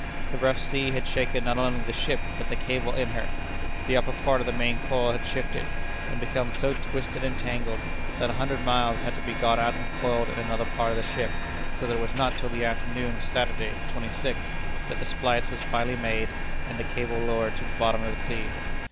The rough sea had shaken not only the ship, but the cable in her. The upper part of the main coil had shifted, and become so twisted and tangled, that a hundred miles had to be got out and coiled in another part of the ship, so that it was not till the afternoon of Saturday, the twenty sixth, that the splice was finally made, and the cable lowered to the bottom of the sea.